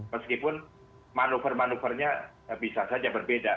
meskipun manuver manuvernya bisa saja berbeda